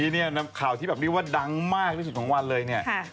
เนี้ยหนักข่าวที่แบบเรียกว่าหรือว่าดังมากที่สุดท้องวันเลยเนี้ยค่ะ